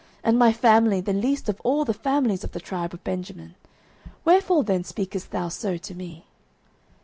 and my family the least of all the families of the tribe of Benjamin? wherefore then speakest thou so to me?